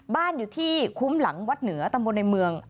บ้านอยู่ที่คุ้มหลังวัดเหนือตำบลในเมือง